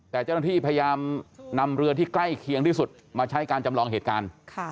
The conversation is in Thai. แต่เจ้าหน้าที่พยายามนำเรือที่ใกล้เคียงที่สุดมาใช้การจำลองเหตุการณ์